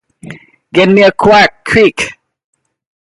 Get me a quack, quick!